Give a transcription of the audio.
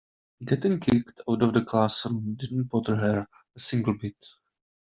Getting kicked out of the classroom didn't bother her a single bit.